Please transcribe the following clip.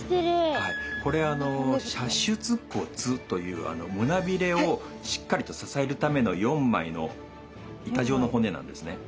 これ射出骨という胸びれをしっかりと支えるための４枚の板状の骨なんですね。